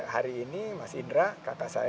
hari ini mas indra kata saya